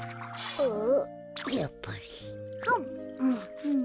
あっ？